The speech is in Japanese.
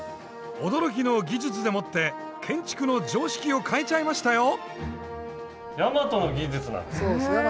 驚きの技術でもって建築の常識を変えちゃいましたよ。